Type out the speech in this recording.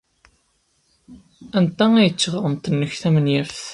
Anta ay d tiɣremt-nnek tamenyaft?